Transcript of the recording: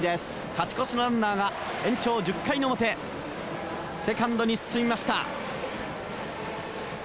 勝ち越しのランナーが延長１０回の表セカンドに進みました。